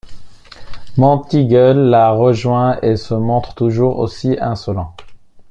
Monteagle la rejoint et se montre toujours aussi insolent.